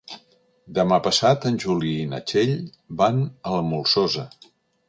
Demà passat en Juli i na Txell van a la Molsosa.